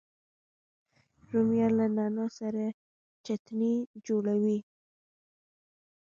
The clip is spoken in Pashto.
رومیان له نعنا سره چټني جوړوي